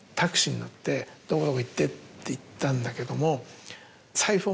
「どこどこ行って」って言ったんだけども。